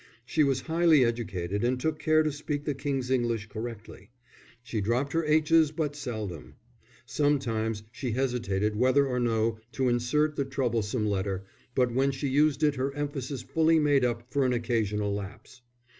She was highly educated and took care to speak the King's English correctly. She dropped her aitches but seldom. Sometimes she hesitated whether or no to insert the troublesome letter, but when she used it her emphasis fully made up for an occasional lapse.